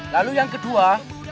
lalu yang kedua